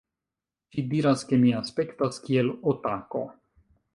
Ŝi diras, ke mi aspektas kiel otako